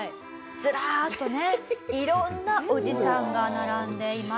ずらーっとね色んなおじさんが並んでいます。